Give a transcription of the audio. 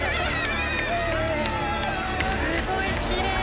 すごいきれい。